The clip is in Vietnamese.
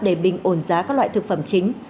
để bình ổn giá các loại thực phẩm chính